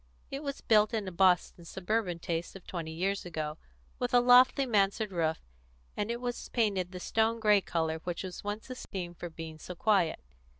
It was built in a Boston suburban taste of twenty years ago, with a lofty mansard roof, and it was painted the stone grey colour which was once esteemed for being so quiet.